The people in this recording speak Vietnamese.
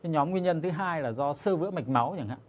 nhóm nguyên nhân thứ hai là do sơ vỡ mạch máu chẳng hạn